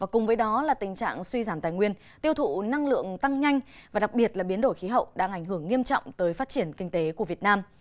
cùng với đó là tình trạng suy giảm tài nguyên tiêu thụ năng lượng tăng nhanh và đặc biệt là biến đổi khí hậu đang ảnh hưởng nghiêm trọng tới phát triển kinh tế của việt nam